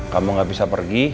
kamu gak bisa pergi